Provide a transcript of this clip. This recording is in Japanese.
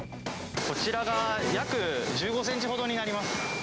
こちらが約１５センチほどになります。